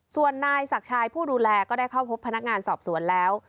ส่วนนายศักดิ์ชายผู้ดูแลก็ได้เข้าพบพนักงานสอบสวนแล้ว